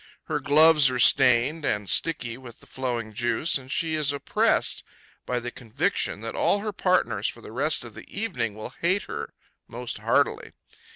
Her gloves are stained and sticky with the flowing juice, and she is oppressed by the conviction that all her partners for the rest of the evening will hate her most heartily.